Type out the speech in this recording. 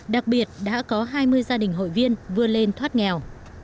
đặc biệt đã có hai mươi gia đình hội viên vươn lên thoát nghèo